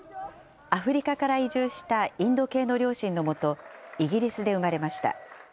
アフリカから移住したインド系の両親の下、イギリスで生まれました。